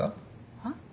はっ？